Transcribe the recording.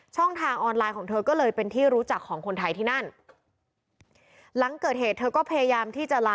ทางออนไลน์ของเธอก็เลยเป็นที่รู้จักของคนไทยที่นั่นหลังเกิดเหตุเธอก็พยายามที่จะลา